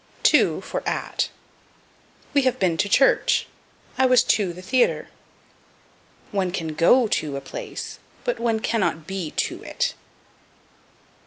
To for At. "We have been to church," "I was to the theater." One can go to a place, but one cannot be to it.